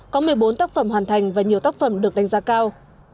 có một mươi bốn tác phẩm hoàn thành và nhiều tác phẩm được đánh giá cao